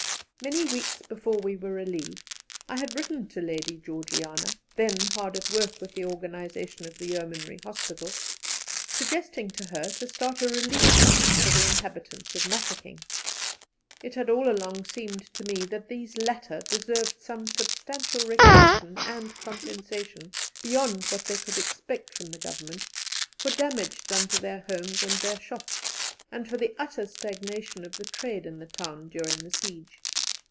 Many weeks before we were relieved I had written to Lady Georgiana, then hard at work with the organization of the Yeomanry Hospital, suggesting to her to start a relief fund for the inhabitants of Mafeking. It had all along seemed to me that these latter deserved some substantial recognition and compensation beyond what they could expect from the Government, for damage done to their homes and their shops, and for the utter stagnation of the trade in the town during the siege.